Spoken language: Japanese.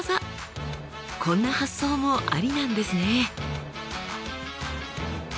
こんな発想もありなんですね。